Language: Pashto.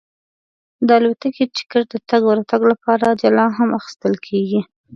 د الوتکې ټکټ د تګ او راتګ لپاره جلا هم اخیستل کېږي.